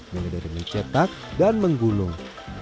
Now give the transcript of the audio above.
mereka di cetak dan menggulung